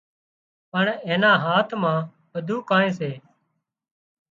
پڻ اين نا هاٿ مان ٻڌوئيني ڪانئين سي